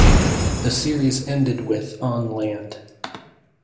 The series ended with "On Land".